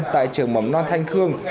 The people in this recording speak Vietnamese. tại trường mầm non thanh khương